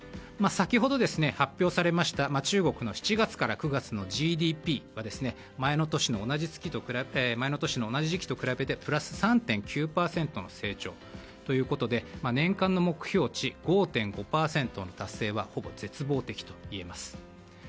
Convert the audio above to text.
先ほど発表されました中国の７月から９月のＧＤＰは前の年の同じ時期と比べてプラス３．９％の成長ということで年間の目標値５．５％の達成はほぼ絶望的と言えます。